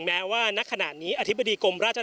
พร้อมด้วยผลตำรวจเอกนรัฐสวิตนันอธิบดีกรมราชทัน